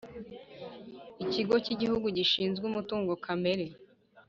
Ikigo cy’Igihugu gishinzwe Umutungo Kamere